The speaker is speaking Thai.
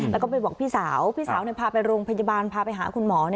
แล้วก็ไปบอกพี่สาวพี่สาวพาไปโรงพยาบาลพาไปหาคุณหมอ